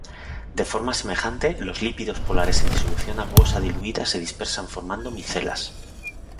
De forma semejante, los lípidos polares en disolución acuosa diluida se dispersan formando micelas.